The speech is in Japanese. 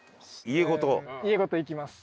家ごと？家ごと行きます。